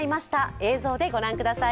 映像で御覧ください。